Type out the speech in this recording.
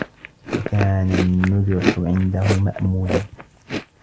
وَكَانَ النُّجْحُ عِنْدَهُ مَأْمُولًا